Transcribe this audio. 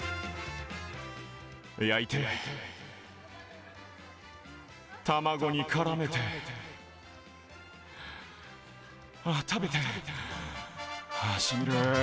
焼いて卵に絡めて食べてしみる。